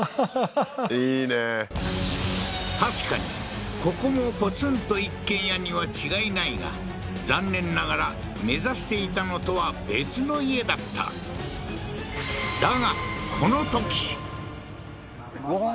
確かにここもポツンと一軒家には違いないが残念ながら目指していたのとは別の家だっただがふふふふっ